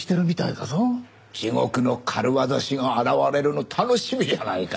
地獄の軽業師が現れるの楽しみじゃないか。